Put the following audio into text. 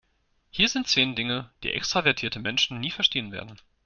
Hier sind zehn Dinge, die extravertierte Menschen nie verstehen werden.